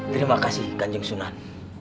terima kasih kanjeng sunan